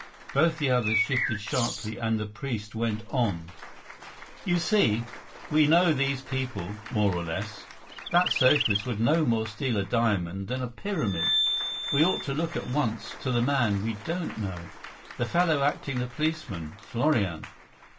Both the others shifted sharply and the priest went on: "You see, we know these people, more or less. That Socialist would no more steal a diamond than a Pyramid. We ought to look at once to the one man we don't know. The fellow acting the policeman Florian.